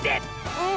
うん。